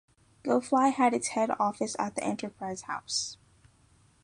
Go Fly had its head office at the Enterprise House.